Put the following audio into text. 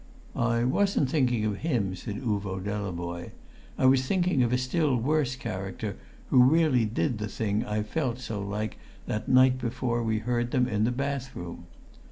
"I wasn't thinking of him," said Uvo Delavoye. "I was thinking of a still worse character, who really did the thing I felt so like that night before we heard them in the bathroom.